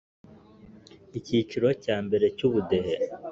Icyiciro cya mbere cyu budehe